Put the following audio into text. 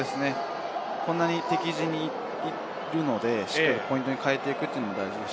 こんなに敵陣にいるので、しっかりポイントに変えていくことが大事です。